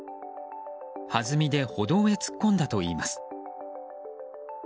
はずみで歩道へ突っ込んだといいます。